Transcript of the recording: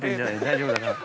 大丈夫だから。